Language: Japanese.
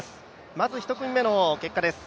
まず１組目の結果です。